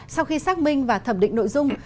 sau khi xác minh và thẩm định nội dung